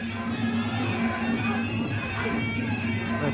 แขนเอาไว้ครับ